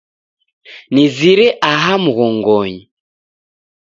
Nizire aha mghongonyi